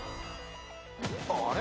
あれ？